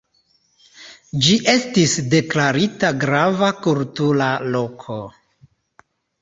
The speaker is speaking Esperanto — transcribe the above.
Ĝi estis deklarita Grava Kultura Loko.